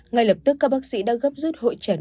ngay lập tức các bác sĩ đã gấp rút hội trần